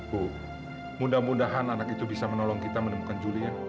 bu mudah mudahan anak itu bisa menolong kita menemukan juli ya